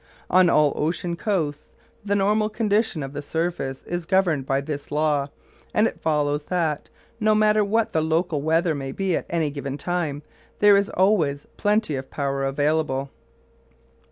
On all ocean coasts the normal condition of the surface is governed by this law, and it follows that, no matter what the local weather may be at any given time, there is always plenty of power available.